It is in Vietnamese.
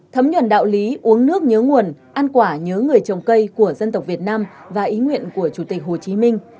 thấm nhuận đạo lý uống nước nhớ nguồn ăn quả nhớ người trồng cây của dân tộc việt nam và ý nguyện của chủ tịch hồ chí minh